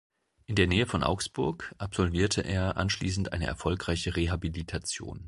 In der Nähe von Augsburg absolvierte er anschließend eine erfolgreiche Rehabilitation.